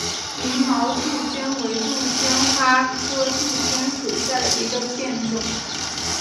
凝毛杜鹃为杜鹃花科杜鹃属下的一个变种。